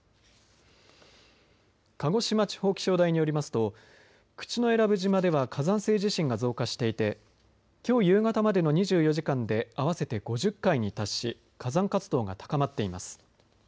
鹿児島地方気象台によりますと口永良部島では火山性地震が増加していてきょう夕方までの２４時間で合わせて５０回に達し火山活動が高まっています。